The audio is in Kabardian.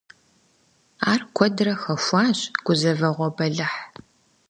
Ар куэдрэ хэхуащ гузэвэгъуэ, бэлыхь.